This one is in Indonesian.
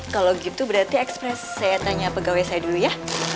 kalau gitu berarti ekspres saya tanya pegawai saya dulu ya